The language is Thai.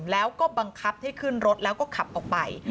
แล้วก็บังคับให้ขึ้นรถแล้วก็ขับออกไป